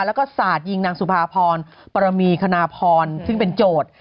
แล้วก็สาดยิงนางสุภาพรปรมีคณพรซึ่งเป็นโจทย์